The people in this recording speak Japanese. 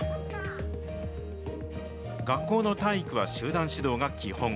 学校の体育は集団指導が基本。